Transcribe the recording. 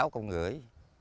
sáu công gửi